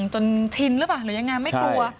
จนชินหรือเปล่าหรือยังไงไม่กลัว